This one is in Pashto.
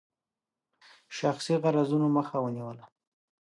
شخصي غرضونو مخه ونیوله.